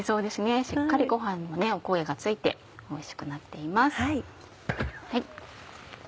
しっかりご飯のおこげが付いておいしくなっています。